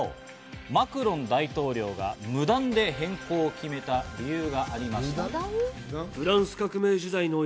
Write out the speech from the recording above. マクロン大統領が無断で変更を決めた理由がありました。